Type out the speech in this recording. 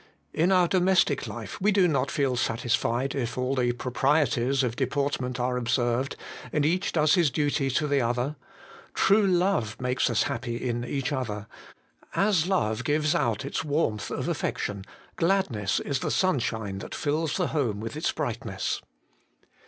In our domestic life we do not feel satisfied if all the proprieties of deportment are observed, and each does his duty to the other; true love makes us happy in each other ; as love gives out its warmth of affection, gladness is the sunshine that fills the home with its brightness.